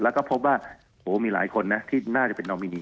แล้วก็พบว่าโหมีหลายคนนะที่น่าจะเป็นนอมินี